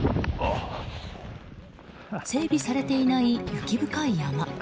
整備されていない雪深い山。